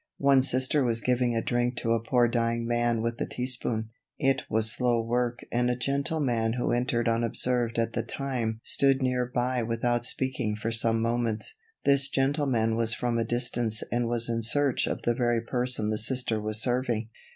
One Sister was giving a drink to a poor dying man with a teaspoon. It was slow work and a gentleman who entered unobserved at the time stood near by without speaking for some moments. This gentleman was from a distance and was in search of the very person the Sister was serving.